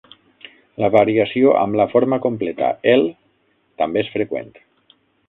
La variació amb la forma completa "el" també és freqüent.